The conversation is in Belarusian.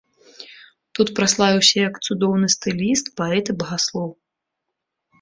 Тут праславіўся як цудоўны стыліст, паэт і багаслоў.